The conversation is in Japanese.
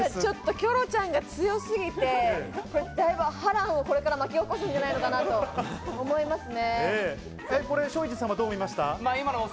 キョロちゃんが強すぎて、だいぶ波乱を巻き起こすんじゃないのかなと思いますね。